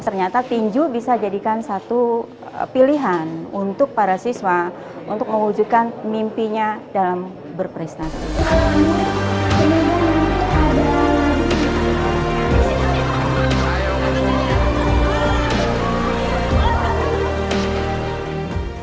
ternyata tinju bisa jadikan satu pilihan untuk para siswa untuk mewujudkan mimpinya dalam berprestasi